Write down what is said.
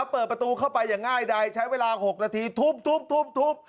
เปิดประตูเข้าไปอย่างง่ายใดใช้เวลา๖นาทีทุบ